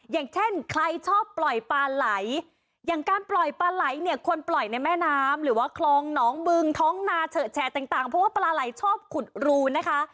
อย่างเช่นใครชอบปล่อยปลาไหลอย่างการปล่อยปลาไหลเนี่ยควรปล่อยในแม่น้ำหรือว่าคลองหนองบึงท้องนาเฉอะแฉะต่างเพราะว่าปลาไหล่ชอบขุดรูนะคะ